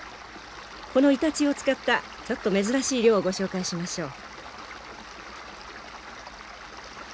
このイタチを使ったちょっと珍しい漁をご紹介しましょう。